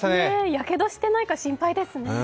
やけどしていないか心配ですね。